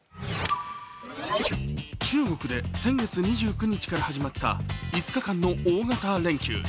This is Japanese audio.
中国で先月２９日から始まった５日間の大型連休。